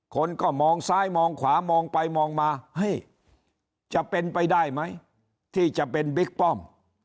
คนก็มองซ้ายมองขวามองไปมองมาเฮ้ยจะเป็นไปได้ไหมที่จะเป็นบิ๊กป้อม